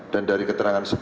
dan dari keterangan